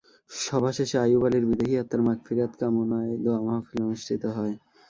সভা শেষে আইয়ুব আলীর বিদেহী আত্মার মাগফিরাত কামনায় দোয়া মাহফিল অনুষ্ঠিত হয়।